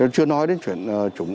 chưa nói đến chuyện chủng